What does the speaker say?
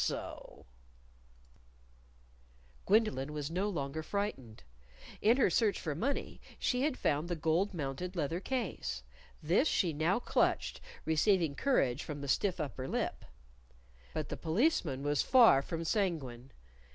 "So " Gwendolyn was no longer frightened. In her search for money she had found the gold mounted leather case. This she now clutched, receiving courage from the stiff upper lip. But the Policeman was far from sanguine.